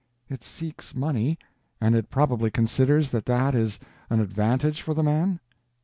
It seeks money, and it probably considers that that is an advantage for the man?